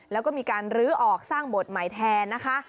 แล้วก็มีการลื้อออกสร้างบทใหม่แทนนะคะ